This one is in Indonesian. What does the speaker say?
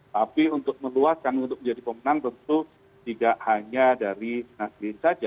tapi untuk meluaskan untuk menjadi pemenang tentu tidak hanya dari nasdem saja